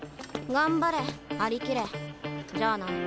頑張れ張り切れじゃあな。